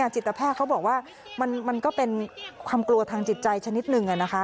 จิตแพทย์เขาบอกว่ามันก็เป็นความกลัวทางจิตใจชนิดหนึ่ง